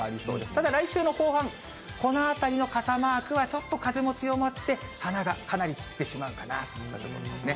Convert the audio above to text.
ただ、来週の後半、このあたりの傘マークは、ちょっと風も強まって、花がかなり散ってしまうかなといったところですね。